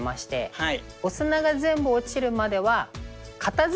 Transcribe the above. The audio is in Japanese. はい。